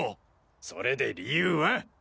それで理由は！？